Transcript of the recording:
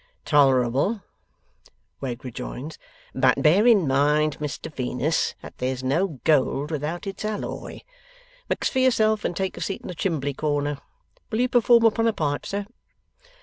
'Tolerable,' Wegg rejoins. 'But bear in mind, Mr Venus, that there's no gold without its alloy. Mix for yourself and take a seat in the chimbley corner. Will you perform upon a pipe, sir?